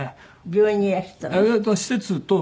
病院にいらしてたの？